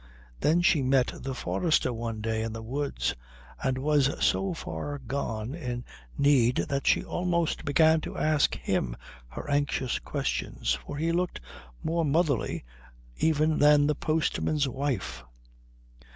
Then she met the forester one day in the woods, and was so far gone in need that she almost began to ask him her anxious questions, for he looked more motherly even than the postman's wife.